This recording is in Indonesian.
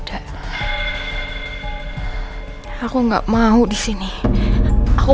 iya akhirnya mamahic quay ter livampi m inevitable